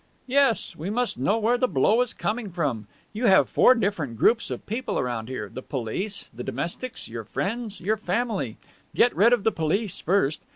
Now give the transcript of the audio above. "Yes. We must know where the blow is coming from. You have four different groups of people around here the police, the domestics, your friends, your family. Get rid of the police first.